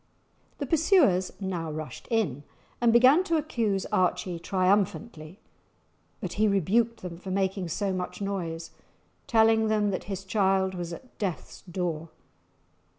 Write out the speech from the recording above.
The pursuers now rushed in, and began to accuse Archie triumphantly; but he rebuked them for making so much noise, telling them that his child was at death's door!